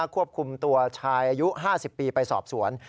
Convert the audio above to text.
ควบคุมตัวชายอายุ๕๐ปีไปสอบสวน